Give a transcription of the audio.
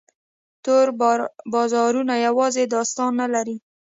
تور بازارونه یوازینی داستان نه دی.